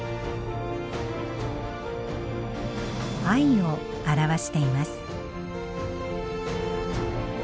を表しています。